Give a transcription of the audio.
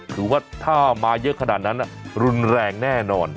ถือว่าถ้ามาเยอะขนาดนั้นรุนแรงแน่นอน